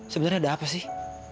sebenernya ada apa sih